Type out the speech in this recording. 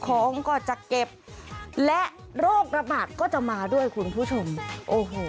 ของก็จะเก็บและโรคระบาดก็จะมาด้วยคุณผู้ชมโอ้โห